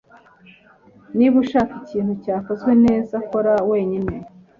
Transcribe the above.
Niba ushaka ikintu cyakozwe neza, kora wenyine.